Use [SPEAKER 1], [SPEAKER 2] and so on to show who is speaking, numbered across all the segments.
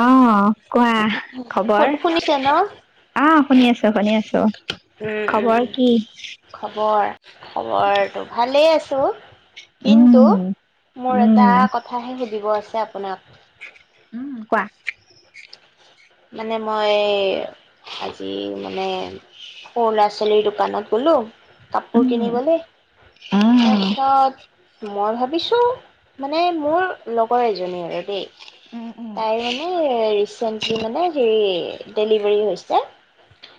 [SPEAKER 1] আহ কোৱা
[SPEAKER 2] শু
[SPEAKER 1] খবৰ
[SPEAKER 2] শুনিছে ন?
[SPEAKER 1] আহ শুনি আছো শুনি আছো
[SPEAKER 2] উম উম।
[SPEAKER 1] খবৰ কি
[SPEAKER 2] খবৰ তো কিন্তু
[SPEAKER 1] উম
[SPEAKER 2] মোৰ এটা
[SPEAKER 1] উম
[SPEAKER 2] কথাাহে সুধিব আছে আ আপোনাক
[SPEAKER 1] কোৱা
[SPEAKER 2] মানে মই আজি মানে সৰু ল'ৰা ছোৱালীৰ দোকানত গ'লোঁ কাপোৰ
[SPEAKER 1] উম
[SPEAKER 2] কিনিবলৈ
[SPEAKER 1] আহ
[SPEAKER 2] তাৰপিছত মই ভাবো ভাবিছোঁ মানে মোৰ লগৰ এজনী আৰু দেই তাই মানে ৰিচেন্টলি মানে হেৰি ডেলিভাৰী হৈছে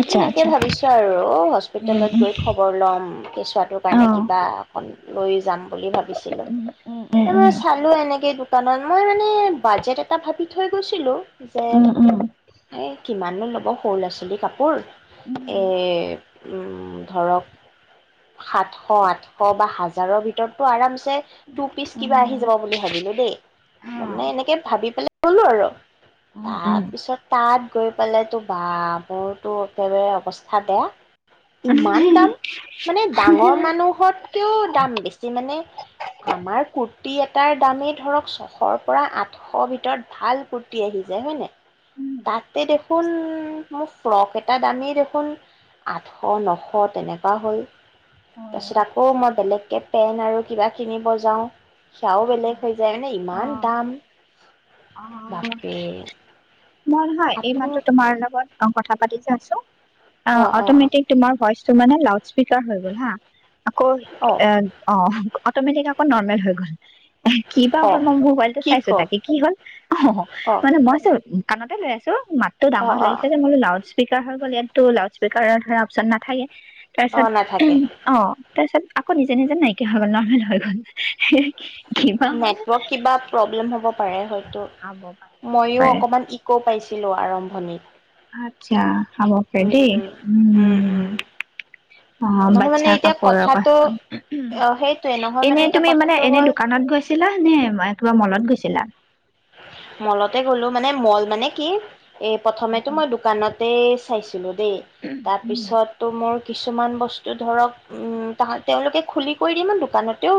[SPEAKER 1] আচ্ছা
[SPEAKER 2] তেনেকে
[SPEAKER 1] আচ্ছা
[SPEAKER 2] ভাবিছো আৰু অ
[SPEAKER 1] উম
[SPEAKER 2] হস্পিতেলত
[SPEAKER 1] উম
[SPEAKER 2] গৈ খবৰ লম কেঁচুৱটোৰ
[SPEAKER 1] অ
[SPEAKER 2] কাৰণে কিবা অক লৈ যাম বুলি ভাবিছিলো
[SPEAKER 1] উম উম উম
[SPEAKER 2] ত মই চালো এনেকে দোকানত মই মানে বাজেট এটা ভাবি থৈ গৈছিলো যে
[SPEAKER 1] উম
[SPEAKER 2] এই কিমানো ল'ব সৰু ল'ৰা ছোৱালী কাপোৰ
[SPEAKER 1] উম
[SPEAKER 2] এ ধৰক সাতশ আঠশ বা হাজাৰৰ ভিতটো আৰামছে টু পিচ
[SPEAKER 1] উম উম
[SPEAKER 2] কিবা আহি
[SPEAKER 1] উম
[SPEAKER 2] যাব বুলি ভাবিলোঁ দেই
[SPEAKER 1] অ
[SPEAKER 2] মানে এনেকে ভাবি লো আৰু
[SPEAKER 1] উম উম
[SPEAKER 2] তাৰপিছত তাত গৈ পেলো বাবোৰতো একেবাৰে অৱস্থা বেয়া ইমান দাম মানে ডাঙৰ মানুহতকেও দাম বেছি মানে আমাৰ কুৰ্তি এটাৰ দামেই ধৰক ছশৰ পৰা আঠশ ভিত ভিতৰত ভাল কুৰ্তি আহি যায় হয়নে
[SPEAKER 1] উম
[SPEAKER 2] তাতে দেখোন মোৰ ফ্ৰক এটা দামেই দেখোন আঠশ নশ তেনেকুৱা হল
[SPEAKER 1] অ
[SPEAKER 2] তাৰপিছত আকৌ মই বেলেগকে পেন আৰু কিবা কিনিব যাওঁ সেয়াও বেলেগ হৈ যায় মানে ইমান দাম
[SPEAKER 1] আহ
[SPEAKER 2] বাপৰে
[SPEAKER 1] মন হয় এই
[SPEAKER 2] আপুনি
[SPEAKER 1] মাহতো তোমাৰ লগত অ কথা পাতি যাছো অ অটমেটিক তোমাৰ ভইচ ত মানে ল স্পিকাৰ হৈ গ'ল হা আকৌ
[SPEAKER 2] অ
[SPEAKER 1] এ অ অট'মেটিক আকৌ নৰ্মেল হৈ গ'ল কি বা
[SPEAKER 2] অ
[SPEAKER 1] হল মই মোৰ যেতিয়া মোবাইল তো
[SPEAKER 2] কি ক
[SPEAKER 1] চাইছো তাকে কি হল অ
[SPEAKER 2] অ
[SPEAKER 1] মানে মই চ কাণতে লৈ আছো মাতটো
[SPEAKER 2] অ
[SPEAKER 1] ডাঙৰ
[SPEAKER 2] অ
[SPEAKER 1] লাগিছে যে মো লাউজ স্পীকাৰ হৈ গ' ইাতত লউড স্পীকাৰৰ ধণৰ অপশন নাথাকে
[SPEAKER 2] অ
[SPEAKER 1] তাৰপিছত
[SPEAKER 2] নাথাকে
[SPEAKER 1] অ তাৰপিছত আকৌ নিজে নিজে নাইকিয়া হৈ গ'ল নৰ্মেল হৈ গ'ল কিবা হ'ল
[SPEAKER 2] নেটৱৰ্ক কিবা প্ৰব্লেম হ'ব
[SPEAKER 1] খাব পাৰে
[SPEAKER 2] হয়
[SPEAKER 1] খাব
[SPEAKER 2] মইও
[SPEAKER 1] পাৰে
[SPEAKER 2] অকমান ইকো পাইছো ছিলো আৰম্ভণিত
[SPEAKER 1] আচ্ছা হাব
[SPEAKER 2] উম,
[SPEAKER 1] পেটি উম অ
[SPEAKER 2] নহয় মানে
[SPEAKER 1] বাচ্ছা
[SPEAKER 2] এতিয়া
[SPEAKER 1] কাপোৰৰ
[SPEAKER 2] কথাটো অ' সেইটোৱে
[SPEAKER 1] ক
[SPEAKER 2] নহয় মানে
[SPEAKER 1] এনে
[SPEAKER 2] এতিয়া
[SPEAKER 1] তুমি মানে
[SPEAKER 2] কথাটো
[SPEAKER 1] এনে
[SPEAKER 2] হ'ল
[SPEAKER 1] দোকানত গৈছিলা নে কিবা মলত গৈছিলা চল
[SPEAKER 2] মলতে গ'লো মানে মল মানে কি এ প্ৰথমেতো মই দোকানতে চাইছিলো দেই তাৰপিছতো মোৰ কিছুমান বস্তু ধৰক উম তাহ তেওঁওলোকে খুলি কৰি দি ম দোকানতেও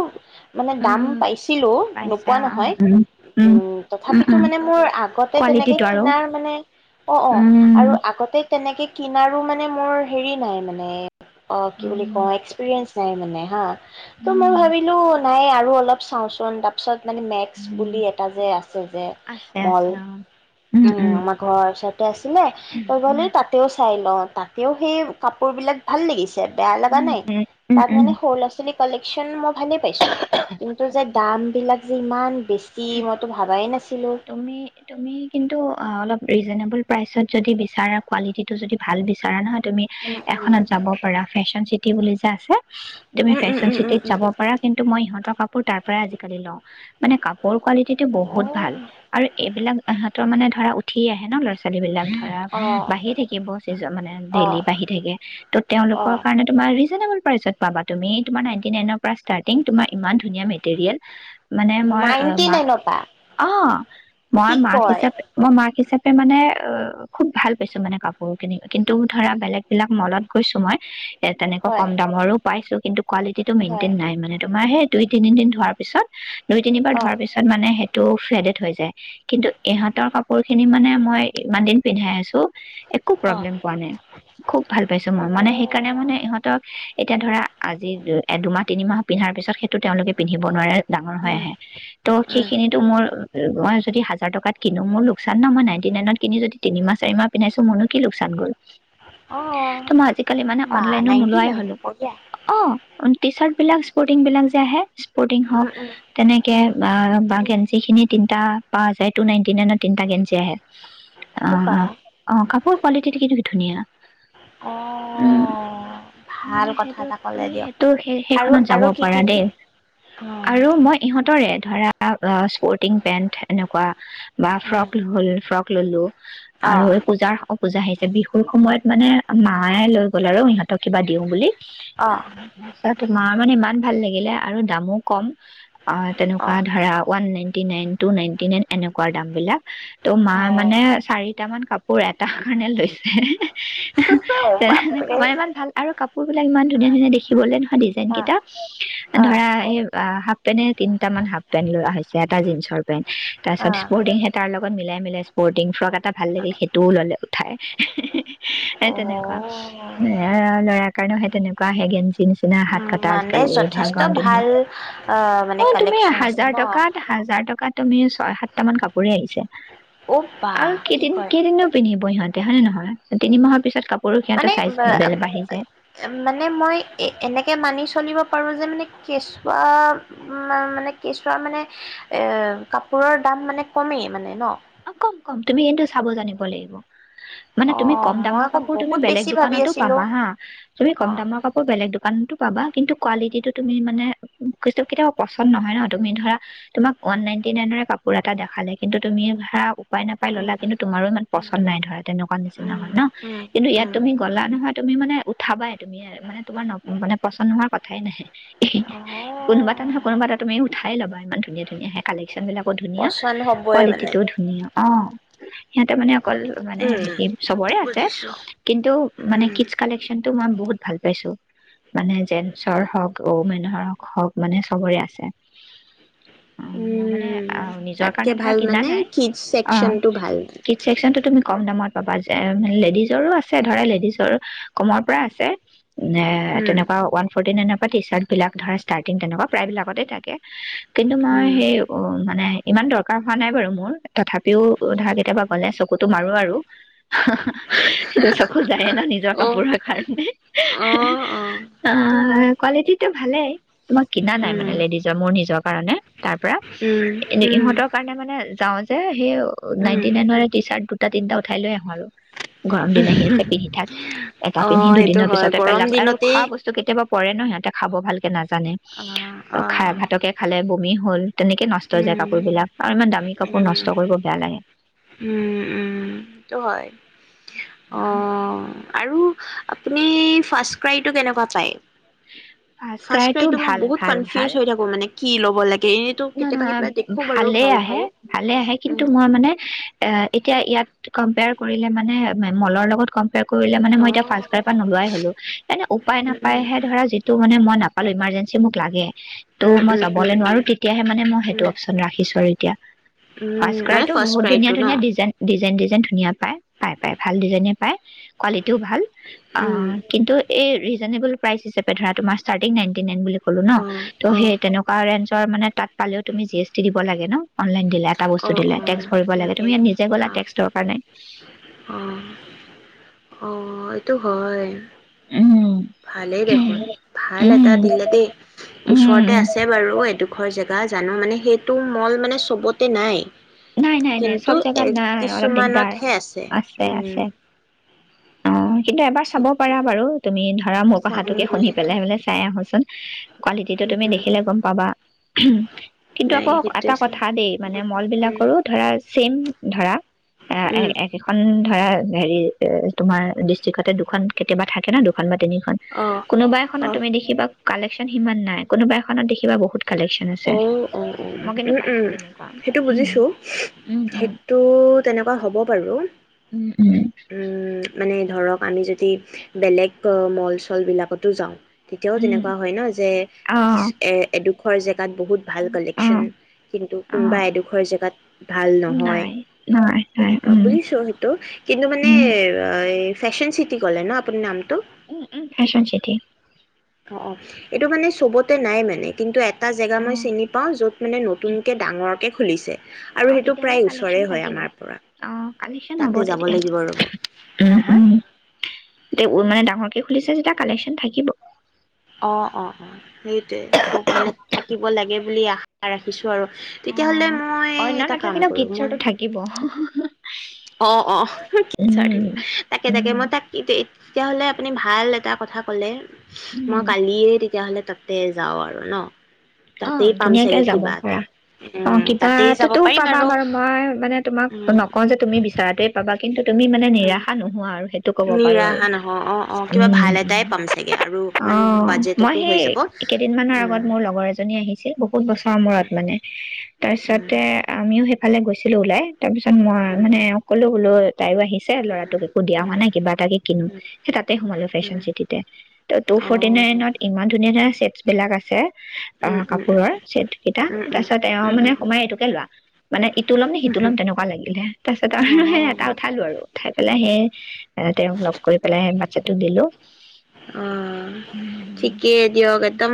[SPEAKER 2] মানে দাম
[SPEAKER 1] উম
[SPEAKER 2] পাইছিলোঁ
[SPEAKER 1] পাইছা
[SPEAKER 2] নোপোৱা
[SPEAKER 1] অ
[SPEAKER 2] নহয়
[SPEAKER 1] উম উম
[SPEAKER 2] তথাপিতো
[SPEAKER 1] উম
[SPEAKER 2] মানে মোৰ আগতে তেনেকে
[SPEAKER 1] কোৱালিটিটো আৰু
[SPEAKER 2] কিনাৰ মানে অ অ
[SPEAKER 1] উম
[SPEAKER 2] আৰু আগতে তেনেকে কিনাৰো মানে মোৰ হেৰি নাই মানে অ কি বুলি
[SPEAKER 1] উম
[SPEAKER 2] কওঁ এক্সপৰিয়েন্ঞ্চ চাই মনেেহা ত
[SPEAKER 1] উম,
[SPEAKER 2] মই ভাবিলো নাই আৰু অলপ চাওঁচোন তাৰপিছত মানে মেক্স
[SPEAKER 1] উম,
[SPEAKER 2] বুলি এটা যে আছে যে
[SPEAKER 1] আছে
[SPEAKER 2] মল
[SPEAKER 1] আছে অ উম
[SPEAKER 2] উ
[SPEAKER 1] উম
[SPEAKER 2] আমাৰ ঘৰ ওচৰতে চাইতে আছিলে তই
[SPEAKER 1] উম
[SPEAKER 2] গলে তাতেও চাই ল তাকেও সেই কাপোৰ বিলাক ভাল লাগিছে বেয়া লগা
[SPEAKER 1] উম
[SPEAKER 2] নাই
[SPEAKER 1] উম উম
[SPEAKER 2] তাত
[SPEAKER 1] উম
[SPEAKER 2] মানে সৰু ল' ছোৱালী কালেকশ্যন মই ভালেই পাইছোঁ কিন্তু যে দাম বিলাক যে ইমান বেছি মইতো ভ ন
[SPEAKER 1] তুমি, তুমি কিন্তু অ অলপ। ৰিজনেবল প্ৰাইচত যদি বিচাৰে কোৱালিটিটো যদি ভাল বিচৰা নহয়। তুমি
[SPEAKER 2] উম
[SPEAKER 1] এখনত যাব পাৰা ফেশ্বন তেতি বুলি যো আছে। তুমি
[SPEAKER 2] উম উম
[SPEAKER 1] ফেশ্বন
[SPEAKER 2] উম
[SPEAKER 1] চিটিত
[SPEAKER 2] উম উম
[SPEAKER 1] যাব পাৰা কিন্তু মই ইহঁতৰ কাপোৰ তাৰ পৰাই আজিকালি লও। মানে কপোৰ কোৱালিটি যিটো বহুত। ভাল
[SPEAKER 2] উম
[SPEAKER 1] আৰু এইবিলাক এহতৰ মানে ধাৰা উঠি আহে ন ল'ৰা ছালী বিলাক।
[SPEAKER 2] অ
[SPEAKER 1] বাঢ়ি থাকিব চি মানে
[SPEAKER 2] অ অ
[SPEAKER 1] ডেইলি বাঢ়ি থাকে ত
[SPEAKER 2] অ
[SPEAKER 1] তেওঁলোকৰ কাৰণে তোমাৰ ৰিজেনেবোল প্ৰাইজত পাবা তুমি তোমাৰ নাইন্টি-নাইনৰ পৰা ষ্টাৰ্টিং তোমাৰ ইমান ধুনীয়া মেটেৰিয়েল। মানে মই
[SPEAKER 2] নাইনটি
[SPEAKER 1] মা
[SPEAKER 2] নাইনৰ পৰা।
[SPEAKER 1] অ, মই মাক হিচাপে মই। মাক হিচাপে মানে খুব ভাল পাইছো মানে কাপোৰ কিনি কিন্তু ধৰা বেলেগ বিলাক মলত গৈছো মই। এ তেনেকুৱা
[SPEAKER 2] হয়
[SPEAKER 1] কম দামৰো পাইছো কিন্তু কোৱালিটি টো
[SPEAKER 2] হয়
[SPEAKER 1] মেইনটেইন নাই মানে তোমাৰ সেই। দুই তিনি দিন ধোৱাৰ পিছত। দুই তিনিবাৰ
[SPEAKER 2] অ
[SPEAKER 1] ধোৱাৰ পিছত মানে। ফেডড হৈ যায়, কিন্তু ইহঁতৰ কাপোৰ খিনি মানে মই ইমান দিন পিন্ধাই আছ একো
[SPEAKER 2] অ অ
[SPEAKER 1] প্ৰব্লেম পোৱা নাই, খুব ভাল পাইছো। মই মানে সেইকাৰণে মানে ইহঁতক এতিয়া ধৰা আজি এ দুমাহ তিনিমাহ। পিন্ধাৰ পিছত সেটো তেওঁলোকেিন্ধিবোৱাৰে। ডাঙৰ হৈ
[SPEAKER 2] উম
[SPEAKER 1] আহে, ত' সে
[SPEAKER 2] উম
[SPEAKER 1] এইটো মোৰ মই যদি হাজাৰ টকাত কিনো মোৰ লোক [unintelligible] নাইণ্টি নাইনত কিনি যদি তিনি মাহ যে ইমান পিন্ধাইছো মোৰনো কি লোকচান গ'ল।
[SPEAKER 2] অ
[SPEAKER 1] ত' মই আজিকালি মানে,
[SPEAKER 2] বা
[SPEAKER 1] অনলাইনো
[SPEAKER 2] নাইনটি
[SPEAKER 1] নোলোৱাই
[SPEAKER 2] নাইন
[SPEAKER 1] হলো
[SPEAKER 2] বঢ়িয়া
[SPEAKER 1] অ'! টি চাৰ্টলাক বিলাক স্পৰ্টিং বিলাক যে আহে। স্পৰ্টিং
[SPEAKER 2] উম
[SPEAKER 1] হওক
[SPEAKER 2] উম
[SPEAKER 1] তেনেকে
[SPEAKER 2] উম
[SPEAKER 1] অ ব
[SPEAKER 2] উম
[SPEAKER 1] গেঞ্চি খিনি তিনটা অ পা যায় টু নাইনটি নাইনত তিনটা গেঞ্জী আহে।
[SPEAKER 2] কোপা
[SPEAKER 1] অ' অ অ কাপোৰ কোৱালিটিটো কিন্তু ধুনীয়া। উম,
[SPEAKER 2] অঁ ভাল
[SPEAKER 1] মানে
[SPEAKER 2] কথা
[SPEAKER 1] সেইটো
[SPEAKER 2] এটা ক'লে
[SPEAKER 1] তুমি
[SPEAKER 2] দিয়ক
[SPEAKER 1] সেইটো
[SPEAKER 2] আৰু
[SPEAKER 1] সেই-সেইখনত যাব
[SPEAKER 2] আৰু কি
[SPEAKER 1] পাৰা
[SPEAKER 2] কি
[SPEAKER 1] দেই
[SPEAKER 2] লয় অঁ
[SPEAKER 1] আৰু মই ইহঁতৰে। ধৰা। অ স্পৰ্টিং পেন্ট এনেকুৱা। বা ফ্ৰক হ'ল ফ্ৰক ল ললো আৰু এই পূজাৰ পূজা আহিছে বিহুৰ সময়ত মানে মায়ে লৈ গ'ল আৰু ইহঁতক কিবা দিওঁ বুলি।
[SPEAKER 2] অঁ
[SPEAKER 1] [unintelligible] ইমান ভাল লাগিলে আৰু দামো কম। অ' তেনেকুৱা
[SPEAKER 2] অঁ
[SPEAKER 1] ধাৰা থুবেনটি নাইন টুনাইনতি নাইন এনেকোবা দাম বিলাক। ত' মা মানে চাৰিটা মান কাপোৰ। বোৰ এট কাৰণে লৈছে।
[SPEAKER 2] অঁ
[SPEAKER 1] এনেকাৰ
[SPEAKER 2] বাপৰে
[SPEAKER 1] ইমান ভাল আৰু কাপোৰ বিলাক ইমান ধুনীয়া
[SPEAKER 2] অঁ
[SPEAKER 1] ধুনীয়া দেখিবলে নহয় ডিজাইন
[SPEAKER 2] অঁ
[SPEAKER 1] কেইটা ধৰা এই তেনে তিনটা মান হাফ পেন্ লোৱা আহিছো। এটা জিঞ্চৰ। তাৰপিছত
[SPEAKER 2] অঁ
[SPEAKER 1] স্পোটিং [unintelligible] ত মিলাই মিলাই স্পৰ্টিং ফ্ৰক এটা ভাল লাগিল সেইটোও ললে উঠাই স তেনেকুৱা
[SPEAKER 2] অঁ
[SPEAKER 1] এ ল'ৰাৰ কাৰণে সেই তেনেকুৱা হেগেন জ
[SPEAKER 2] মানে যথেষ্ট ভাল অ' মানে কালেকচন আছে ন?
[SPEAKER 1] তাত হাজাৰ টকাত তুমি ছয় সাতটা মান কাপোৰে আহিছে।
[SPEAKER 2] অ' বা
[SPEAKER 1] আৰু
[SPEAKER 2] কি
[SPEAKER 1] কেইদিন
[SPEAKER 2] কয়
[SPEAKER 1] কেইদিনো পিন্ধিব ইিহঁত তেহানি নহয় তিনি মাহৰ পিছত কাপোৰ
[SPEAKER 2] মানে মানে মই এ এনেকে মানি চলিব পাৰ যে মানে কেঁচুৱা মানে কেঁচুৱা মানে কাপোৰৰ দাম মানে কমেই মানে ন।
[SPEAKER 1] অ' কম কম তুমি কিন্তু চাব জানিব লাগিব। মানে তুমি
[SPEAKER 2] অঁ
[SPEAKER 1] কম
[SPEAKER 2] মই
[SPEAKER 1] দামৰ
[SPEAKER 2] আকৌ
[SPEAKER 1] কাপোৰ তুমি
[SPEAKER 2] বহুত
[SPEAKER 1] বেলেগ
[SPEAKER 2] বেছি ভাবি
[SPEAKER 1] দোকানতো
[SPEAKER 2] আছিলোঁ
[SPEAKER 1] পাবা হা তুমি কম
[SPEAKER 2] অঁ
[SPEAKER 1] দামৰ কাপোৰ বেলেগ দোকানতো পাবা কিন্তু কোৱালিটিটো তুমি মান কেতিয়াও পচন্দ নহয় ন তুমি ধৰা তোমাক ওৱান নাইনটি নাইনৰে কাপোৰ এটা দেখালে কিন্তু তুমি ধৰা উপায় নাপাই ললা কিন্তু তোমাৰো ইমান পচন্দ নাই ধৰা তেনেকুৱা নিচিনা
[SPEAKER 2] উম
[SPEAKER 1] হয় ন
[SPEAKER 2] উম
[SPEAKER 1] কিন্তু ইয়াত
[SPEAKER 2] উম
[SPEAKER 1] তুমি গ'লা নহয় তুমি মানে উঠাবাই তুমি মানে তোমাৰ মানে পচন্দ নোহোৱাৰ কথাই নাহে, কোনোবা
[SPEAKER 2] অঁ
[SPEAKER 1] এটা নহয় কোনোবা এটা তুমি উঠাই ল'বা ইমান ধুনীয়া ধুনীয়া আহে কালেকচন বিলাক ধুনীয়া
[SPEAKER 2] পচন্দ হ'বই
[SPEAKER 1] কোৱালিটি।
[SPEAKER 2] মানে
[SPEAKER 1] ধুনীয়া। অ' সিহঁতে মানে। অকল মানে
[SPEAKER 2] উম
[SPEAKER 1] হে চবৰে আছে
[SPEAKER 2] বুজিছোঁ
[SPEAKER 1] কিন্তু মানে
[SPEAKER 2] উম
[SPEAKER 1] কিছ কালেকচন। টো মই বহুত ভাল পাইছো মানে জেনছৰ হওঁক ঔ মেনহৰক হওক মানে চবৰে আছে অ' মই মানে অ' নিজৰ কাৰণে ধৰা কিনা নাই।
[SPEAKER 2] কিদজ
[SPEAKER 1] অ
[SPEAKER 2] ছেকশ্নটো ভাল।
[SPEAKER 1] কিড চেকচনটো তুমি কম দামত পাবা যে লেডিজৰো আছে, ধৰা লেডিছৰ কমৰ পৰা আছে। নে
[SPEAKER 2] উম
[SPEAKER 1] তেনেকুৱা ওৱান ফৰ্টি নাইনৰ টি-চাৰ্ট বিলাক ধৰা ষ্টাৰ্টিং তেনেকুৱা, প্ৰায়বিলাকতে থাকে। কিন্তু মই
[SPEAKER 2] উম
[SPEAKER 1] সেই নাই, ইমান দৰকাৰ হোৱা নাই বাৰু মোৰ। তথাপিও, ধৰা কেতিয়াবা গ'লে চকুটো মাৰো আৰু, সেইটো চকু যায়ে ন' নিজৰ
[SPEAKER 2] অ'
[SPEAKER 1] কাপোৰৰ কাৰণে,
[SPEAKER 2] অ' অ' সেইটো হয়
[SPEAKER 1] অঁ কোৱালিটিতো ভালেই, তোমাক কিনা নাই মানে
[SPEAKER 2] উম
[SPEAKER 1] লেডিজৰ মোৰ নিজৰ কাৰণে। তাৰপৰা,
[SPEAKER 2] উম
[SPEAKER 1] এ
[SPEAKER 2] উম
[SPEAKER 1] ইহঁতৰ কাৰণে মানে [unintelligible] হেই নাইনটি
[SPEAKER 2] উম
[SPEAKER 1] নাইনৰে টি-চাৰ্ট দুটা তিনটা উঠাই লৈ আহোঁ আৰু, গৰম দিন আহি আছে পিন্ধি থাক। এটা
[SPEAKER 2] অ
[SPEAKER 1] পিন্ধি
[SPEAKER 2] সেইটো
[SPEAKER 1] দুদিনৰ
[SPEAKER 2] হয়
[SPEAKER 1] পিছতে
[SPEAKER 2] গৰম
[SPEAKER 1] পেলাম আৰু
[SPEAKER 2] দিনতেই
[SPEAKER 1] খোৱা বস্তু কেতিয়াবা পৰে ন', সিহঁতে খাব ভালকে না জানে,
[SPEAKER 2] অ
[SPEAKER 1] ত'
[SPEAKER 2] অ
[SPEAKER 1] খাই ভাতকে খালে ব মে' হ'ল। তেনেকে নষ্ট হৈ যায়
[SPEAKER 2] উম
[SPEAKER 1] কাপোৰ বিলাক, আৰু ইমান দামী কাপোৰ।
[SPEAKER 2] উম,
[SPEAKER 1] নষ্ট কৰিব বেয়া লাগে
[SPEAKER 2] উম-উম সেইটো হয়। অ'। আৰু আপুনি ফাৰ্ষ্টক্ৰাইটো কেনেকুৱা পায়?
[SPEAKER 1] ফাৰ্ষ্ট ক্ৰাইটো
[SPEAKER 2] ফাৰ্ষ্টক্ৰাইটো মই
[SPEAKER 1] ভাল
[SPEAKER 2] বহুত
[SPEAKER 1] ভাল
[SPEAKER 2] কনফিউজ হৈ থাকোঁ মানে কি ল'ব লাগে এনেতো
[SPEAKER 1] নহ নহয়, ভালেই আহে! ভালে আহে কিন্তু
[SPEAKER 2] উম
[SPEAKER 1] মই মানে এ এতিয়া ইয়াত কম্পেয়াৰ কৰিলে মানে মলৰ লগত কম্পেয়াৰ কৰিলে মানে
[SPEAKER 2] অ
[SPEAKER 1] মই এতিয়া ফাৰ্ষ্টক্ৰাই পৰা
[SPEAKER 2] উম
[SPEAKER 1] নোলোৱাই হ'লো, এনে উপায় নাপায়াইহে
[SPEAKER 2] উম
[SPEAKER 1] ধৰা যিটো মানে মই নাপালোঁ, ইমাৰ্জেন্সী মোক লাগে। ত' মই
[SPEAKER 2] উম উম
[SPEAKER 1] যাবলৈ
[SPEAKER 2] উম
[SPEAKER 1] নোৱাৰোঁ তে এতিয়াহে মানে মই হেইটো
[SPEAKER 2] উম
[SPEAKER 1] অপচন ৰাখিছোঁ আৰু এতিয়া,
[SPEAKER 2] উম মানে
[SPEAKER 1] ফাৰ্ষ্টক্ৰাইটো
[SPEAKER 2] ফাৰ্ষ্ট
[SPEAKER 1] বহুত
[SPEAKER 2] ক্ৰাইটো ন
[SPEAKER 1] ধুনীয়া-ধুনীয়া ডিজাইন ডিজাইন ডিজাইন ধুনীয়া পায়! পায় পায় ভাল ডিজাইনে পায়। কোৱালিটিও ভাল,
[SPEAKER 2] উম
[SPEAKER 1] অ' কিন্তু এই ৰিজনেবল প্ৰাইচ হিচাপে ধৰা তোমাৰ ষ্টাৰ্টিং নাইটি নাইন বুলি ক'লো ন'?
[SPEAKER 2] অ
[SPEAKER 1] ত'
[SPEAKER 2] অ
[SPEAKER 1] সেই তেনেকুৱা ৰেঞ্জৰ মানে পালেওঁ তুমি জি এছ টি দিব লাগে ন'? অনলাইন দিলে, এটা বস্তু দিলে, টেক্স ভৰিব লাগে, তুমি ইয়াত নিজে গ'লা
[SPEAKER 2] আহ
[SPEAKER 1] টেক্সৰ কাৰণে।
[SPEAKER 2] অ', অ' এইটো হয়।
[SPEAKER 1] উম
[SPEAKER 2] ভালেই দেখোন, ভাল এটা
[SPEAKER 1] উম
[SPEAKER 2] দিলে দেই ওচৰতে
[SPEAKER 1] উম
[SPEAKER 2] আছে বাৰু এডোখৰ জেগা জানো মানে সেইটো মই মানে চবতে নাই।
[SPEAKER 1] নাই নাই নাই,
[SPEAKER 2] কিন্তু
[SPEAKER 1] চব
[SPEAKER 2] এ
[SPEAKER 1] জেগাত নাই, অলপ দিগদাৰ
[SPEAKER 2] কিছুমানতহে
[SPEAKER 1] আছে
[SPEAKER 2] উম
[SPEAKER 1] আছে। অ কিন্তু এবাৰ চাব
[SPEAKER 2] ঠিকে
[SPEAKER 1] পাৰা বাৰু তুমি ধৰা মোৰ
[SPEAKER 2] চাম
[SPEAKER 1] কথাটোকে
[SPEAKER 2] মই
[SPEAKER 1] শুনি
[SPEAKER 2] সেইটো
[SPEAKER 1] পেলাই বুলি চাই আহোচোন। কোৱালিটিটো তুমি
[SPEAKER 2] উম
[SPEAKER 1] দেখিলে গম পাবা, কিন্তু
[SPEAKER 2] নাই
[SPEAKER 1] আকৌ
[SPEAKER 2] সেইটোৱে
[SPEAKER 1] এটা
[SPEAKER 2] চাম
[SPEAKER 1] কথা দেই মানে মল বিলাক হলেও ধৰা চছেম ধৰা এ
[SPEAKER 2] উম
[SPEAKER 1] এক
[SPEAKER 2] উম
[SPEAKER 1] একেখন ধৰা, হেৰি তোমাৰ ডিষ্ট্ৰিক্তে দুখন কেতিয়াবা থাকে ন, দুখন বা তিনি
[SPEAKER 2] অ',
[SPEAKER 1] কোনোবা এখন
[SPEAKER 2] অ', অ',
[SPEAKER 1] তুমি দেখিবা কাল সিমান নাই কোনোবা এখনত দে কিবা বহুত কালেকচন হৈ,
[SPEAKER 2] অ', অ',
[SPEAKER 1] মই কিন্তু
[SPEAKER 2] উম
[SPEAKER 1] পাইছো
[SPEAKER 2] উম
[SPEAKER 1] তেনেকুৱা।
[SPEAKER 2] সেইটো বুজিছোঁ
[SPEAKER 1] উম উম
[SPEAKER 2] সেইটো তেনেকুৱা হব বাৰু
[SPEAKER 1] উম উম
[SPEAKER 2] উম, মানে ধৰক আমি যদি বেলেগ মল চল বিলাকতো যাওঁ তেতিয়াও
[SPEAKER 1] উম
[SPEAKER 2] যেনেকুৱা হয় ন যে
[SPEAKER 1] অ
[SPEAKER 2] কিছু এ এড খৰ জেগাত বহুত ভাল
[SPEAKER 1] অ
[SPEAKER 2] কালেকচন, কিন্তু
[SPEAKER 1] অ
[SPEAKER 2] কোনোবা এডোখৰ জেগাত ভাল নহয়
[SPEAKER 1] নাই নাই নাই
[SPEAKER 2] তেনেকুৱা
[SPEAKER 1] উম
[SPEAKER 2] বুজিছো সেইটো কিন্তু মানে
[SPEAKER 1] উম
[SPEAKER 2] ফেশচন চিটি গলে ন আপোনাৰ নাম
[SPEAKER 1] উম উম ফেঁচন চিঠি
[SPEAKER 2] অহ অহ এইটো মানে চবতে নাই মানে কিন্তু এটা জেগা
[SPEAKER 1] অ
[SPEAKER 2] মই চিনি পাও যত মানে নতুনকে ডাঙৰকে খুলিছে আৰু
[SPEAKER 1] অ
[SPEAKER 2] সেইটো
[SPEAKER 1] তেতিয়াহলে
[SPEAKER 2] প্ৰায় ওচৰে
[SPEAKER 1] কালেক্সন
[SPEAKER 2] হয়
[SPEAKER 1] থাকিব
[SPEAKER 2] আমাৰ পৰা
[SPEAKER 1] অ কালেক্সন হব
[SPEAKER 2] তাতে যাব
[SPEAKER 1] তেতিয়লে
[SPEAKER 2] লাগিব ৰ'ব হা
[SPEAKER 1] উম
[SPEAKER 2] হা
[SPEAKER 1] উম মানে ডাঙৰক খুলিছে যদি কালেকচন থাকিবই।
[SPEAKER 2] অ অ অ সেইটোৱেই খুব মানে থাকিব লাগে বুলি আশা ৰাখিছো। বাৰু,
[SPEAKER 1] অ
[SPEAKER 2] তেতিয়াাহলে মই
[SPEAKER 1] অন্য
[SPEAKER 2] এটা কাম
[SPEAKER 1] নাথাকিলেও
[SPEAKER 2] কৰো মই
[SPEAKER 1] কিটচৰটো থাকিব
[SPEAKER 2] অ অ
[SPEAKER 1] উম
[SPEAKER 2] তাকে তাকে
[SPEAKER 1] উম
[SPEAKER 2] মই তাক তেতিয়াহ'লে আপুনি ভাল এটা কথা ক'লে মই
[SPEAKER 1] উম
[SPEAKER 2] কালিয়ে তেতিয়াহ'লে তাক তাতে যাওঁ আৰু ন'। তাতেই
[SPEAKER 1] অ',
[SPEAKER 2] পাম
[SPEAKER 1] ধুনীয়াকে
[SPEAKER 2] চাগে
[SPEAKER 1] যাব
[SPEAKER 2] কিবা এটা।
[SPEAKER 1] পাৰা অ',
[SPEAKER 2] উম,
[SPEAKER 1] কিবা
[SPEAKER 2] তাতেই যাব
[SPEAKER 1] তো
[SPEAKER 2] পাৰিম
[SPEAKER 1] পাবা
[SPEAKER 2] আৰু
[SPEAKER 1] বাৰু মই মানে তোমাক
[SPEAKER 2] উম,
[SPEAKER 1] নকওঁ যে তুমি বিচাৰাতোৱে পাবা কিন্তু তুমি মানে
[SPEAKER 2] উম।
[SPEAKER 1] নিৰাশা নোহোৱা আৰু সেই
[SPEAKER 2] নিৰাশা নহওঁ অ', অ', কিবা ভাল
[SPEAKER 1] উম
[SPEAKER 2] এটাই পাম চাগে আৰু
[SPEAKER 1] অ
[SPEAKER 2] অকমান
[SPEAKER 1] মই
[SPEAKER 2] বাজেটতো
[SPEAKER 1] সেই
[SPEAKER 2] হৈ যাব
[SPEAKER 1] কেইদিনমানৰ
[SPEAKER 2] উম
[SPEAKER 1] আগত মোৰ লগৰ এজনী আহিছিল বহুত বছৰৰ মূৰত
[SPEAKER 2] উম,
[SPEAKER 1] মানে
[SPEAKER 2] উম,
[SPEAKER 1] তাৰপিছতে আমিও সে ফালে গৈছিলো ওলাই তাৰপিছত মই
[SPEAKER 2] উম,
[SPEAKER 1] মানে এওঁক ক'লো বোলো তাইও আহিছে
[SPEAKER 2] উম,
[SPEAKER 1] ল'ৰাটোক একো দিয়া
[SPEAKER 2] উম,
[SPEAKER 1] হোৱা নাই কিবা এটাকে কিনো
[SPEAKER 2] উম,
[SPEAKER 1] সেই তাতে সোমালো
[SPEAKER 2] উম।
[SPEAKER 1] ফেশ্বন চিটিতে। ত টু ফৰ্টি নাইনত ইমান ধুনীয়া ধুনীয়া চেট বিলাক আছে।
[SPEAKER 2] উম,
[SPEAKER 1] অ',
[SPEAKER 2] উম,
[SPEAKER 1] কাপোৰৰ চেট কেইটা
[SPEAKER 2] উম। উম,
[SPEAKER 1] তাৰপিছত এওঁ মানে সোমাই এইটোকে লোৱা মানে ইটো ল'ম সিটো ল'ম তেনেকুৱা লাগিলে তাৰপিছত আৰু সেই
[SPEAKER 2] উম।
[SPEAKER 1] এটা উঠালো আৰু উঠাই পেলাই সেই তেওঁক লগ কৰি পেলাই বাচ্ছাটো দিলো।
[SPEAKER 2] অ',
[SPEAKER 1] উম
[SPEAKER 2] ঠিকেই দিয়ক এ একদম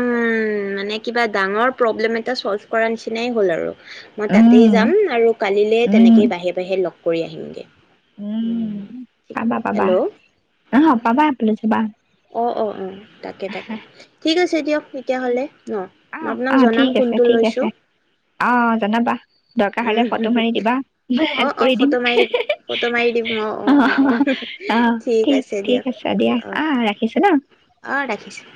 [SPEAKER 2] মানে কিবা ডাঙৰ প্ৰ'ব্লেম এটা ছ'ল্ভ কৰাৰ নিচিনাই হ'ল আৰু মই তাতেই যাম
[SPEAKER 1] উম
[SPEAKER 2] আৰু কালিলে তেনেকেই বাহিৰে বাহিৰে লগ কৰি আহিমগে।
[SPEAKER 1] উম পাবা পাবা
[SPEAKER 2] হেল্ল'
[SPEAKER 1] অ', পাবা [unintelligible] চাবা
[SPEAKER 2] অ', অ', অ', তাকে তাকে ঠিক ঠিক আছে দিয়ক
[SPEAKER 1] ঠিক
[SPEAKER 2] তেতিয়াহ'লে ন মই
[SPEAKER 1] অ',
[SPEAKER 2] আপোনাক
[SPEAKER 1] অ',
[SPEAKER 2] জনাম
[SPEAKER 1] ঠিক আছে
[SPEAKER 2] কোনটো
[SPEAKER 1] ঠিক আছে
[SPEAKER 2] লৈছোঁ।
[SPEAKER 1] অ', জনাবা দৰকাৰ হ'লে ফটো মাৰি দিবা হেল্প
[SPEAKER 2] অ', অ',
[SPEAKER 1] কৰি দিম
[SPEAKER 2] ফটো মাৰি ফটো মাৰি দিম
[SPEAKER 1] অ', অ', ঠিক
[SPEAKER 2] আছে
[SPEAKER 1] ঠিক
[SPEAKER 2] দিয়ক
[SPEAKER 1] আছে দিয়া অ' ৰাখ
[SPEAKER 2] অ', ৰাখিছো